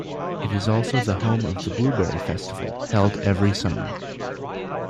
It is also the home of the blueberry festival held every summer.